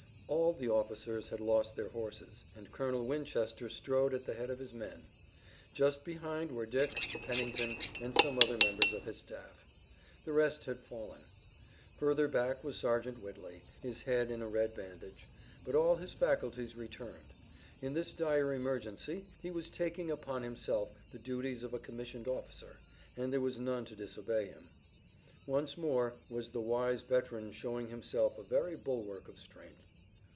All the officers had lost their horses, and Colonel Winchester strode at the head of his men. Just behind were Dick, Pennington and some other members of his staff. The rest had fallen. Further back was Sergeant Whitley, his head in a red bandage, but all his faculties returned. In this dire emergency he was taking upon himself the duties of a commissioned officer, and there was none to disobey him. Once more was the wise veteran showing himself a very bulwark of strength.